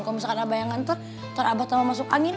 kalau misalkan abah yang hantar nanti abah tambah masuk angin